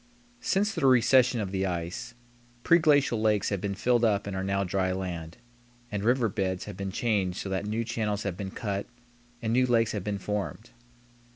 Since the recession of the ice, preglacial lakes have been filled up and are now dry land, and river beds have been changed so that new channels have been cut and new lakes have been formed.